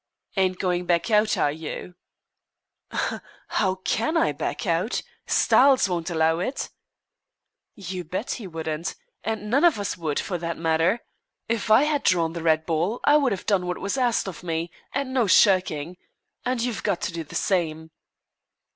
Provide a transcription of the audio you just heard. "Ain't going to back out, are you?" "Humph! How can I back out? Styles wouldn't allow it." "You bet he wouldn't and none of us would, for that matter. If I had drawn the red ball I would have done what was asked of me, and no shirking and you've got to do the same."